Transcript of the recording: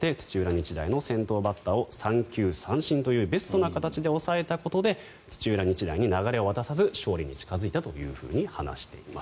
日大の先頭バッターを三球三振というベストな形で抑えたことで土浦日大に流れを渡さず勝利に近付いたと話しています。